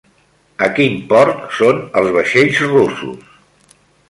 A quin port són els vaixells russos?